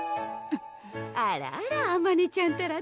あらあらあまねちゃんったら